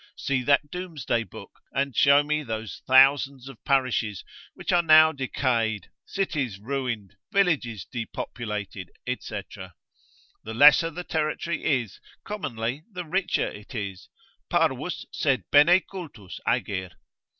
See that Doomsday Book, and show me those thousands of parishes, which are now decayed, cities ruined, villages depopulated, &c. The lesser the territory is, commonly, the richer it is. Parvus sed bene cultus ager.